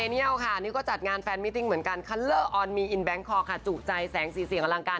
เสียงหายไปกับคอนเสิร์ตเซเว่นเลยค่ะ